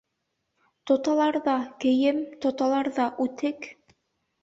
Тоталар ҙа «кейем!», тоталар ҙа «үтек!».